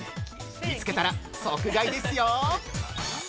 見つけたら即買いですよ。